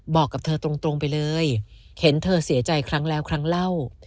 บอกกับเธอตรงไปเลยเห็นเธอเสียใจครั้งแล้วครั้งเล่า